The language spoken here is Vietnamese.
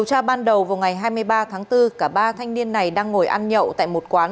trong ngày hai mươi ba tháng bốn cả ba thanh niên này đang ngồi ăn nhậu tại một quán